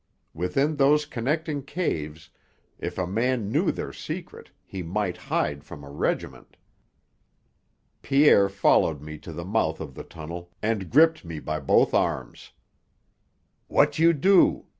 Within those connecting caves, if a man knew their secret, he might hide from a regiment. Pierre followed me to the mouth of the tunnel and gripped me by both arms. "What you do?"